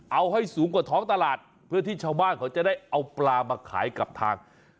เอาให้สูงกว่าท้องตลาดเพื่อที่ชาวบ้านเขาจะได้เอาปลามาขายกับทาง